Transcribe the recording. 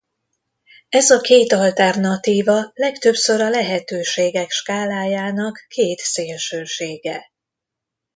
Ez a két alternatíva legtöbbször a lehetőségek skálájának két szélsősége.